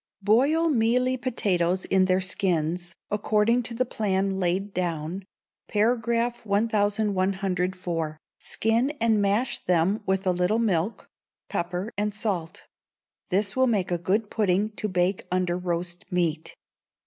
Boil mealy potatoes in their skins, according to the plan laid down (par. 1104) skin and mash them with a little milk, pepper and salt: this will make a good pudding to bake under roast meat.